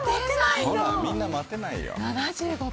ほら、みんな待てないよ。